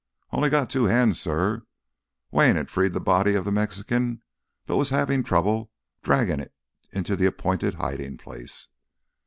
"I only got two hands, suh." Wayne had freed the body of the Mexican but was having trouble dragging it into the appointed hiding place.